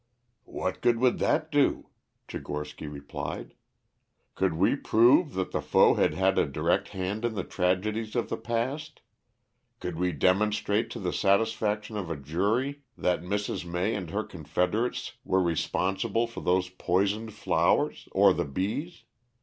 "What good would that do?" Tchigorsky replied. "Could we prove that the foe had had a direct hand in the tragedies of the past? Could we demonstrate to the satisfaction of a jury that Mrs. May and her confederates were responsible for those poisoned flowers or the bees?